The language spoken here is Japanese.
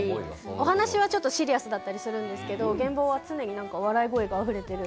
お話はちょっとシリアスだったりするんですけど、現場は常に笑い声が溢れています。